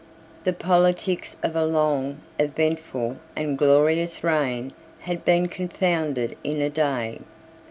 The politics of a long, eventful, and glorious reign had been confounded in a day.